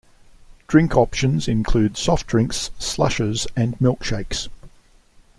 Drink options include soft drinks, slushes, and milkshakes.